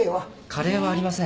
カレーはありません。